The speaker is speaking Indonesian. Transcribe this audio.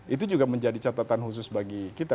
itu juga menjadi catatan khusus bagi kita